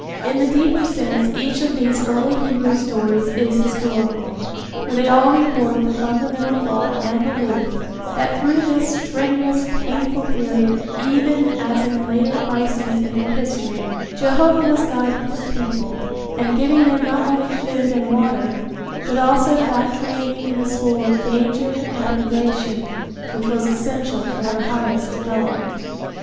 In the deeper sense each of these early Hebrew stories is historical, for they all record the fundamental thought and belief that through this strenuous, painful period, even as in later crises in their history, Jehovah was guiding his people and giving them not only food and water, but also that training in the school of danger and privation which was essential for their highest development.